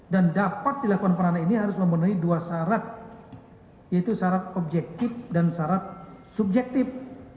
dan dapat dilakukan penahanan ini harus memenuhi dua syarat yaitu syarat objektif dan syarat subjektif